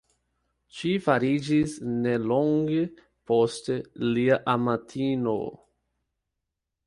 Ŝi fariĝis nelonge poste lia amatino.